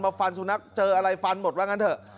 ฟันสุนัขเจออะไรฟันหมดว่างั้นเถอะ